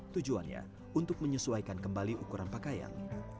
tujuannya untuk menyesuaikan kembali ukuran pakaian